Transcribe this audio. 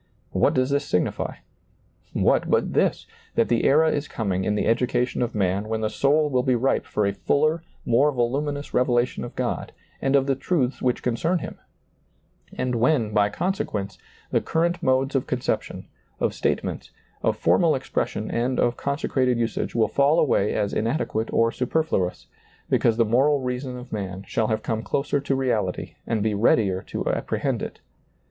What does this signify ? What but this, that the era is coming in the education of man when the soul will be ripe for a fuller, more voluminous revela tion of God, and of the truths which concern Him ; ^lailizccbvGoOgle THE COMING TEMPLE 175 and when, by consequence, the current modes of conception, of statement, of formal expression and of consecrated usage will fall away as inade quate or superfluous, because the moral reason of man shall have come closer to reality and be readier to apprehend it.